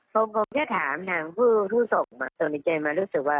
ผมก็ถามนังผู้นายธุรกษ์สุดในใจมารู้สึกว่า